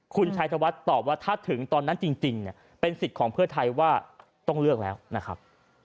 คุณชัยธวัฒน์ตอบว่าถ้าถึงตอนนั้นจริงเนี่ยเป็นสิทธิ์ของเพื่อไทยว่าต้องเลือกแล้วนะครับ